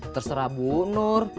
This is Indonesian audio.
terserah bu nur